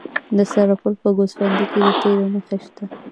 د سرپل په ګوسفندي کې د تیلو نښې شته.